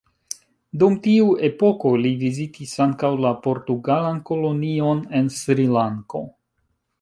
Dum tiu epoko li vizitis ankaŭ la portugalan kolonion en Srilanko.